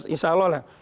insya allah lah